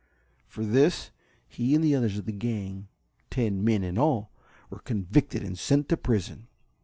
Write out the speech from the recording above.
For this, he and others of the gang ten men in all were convicted and sent to prison.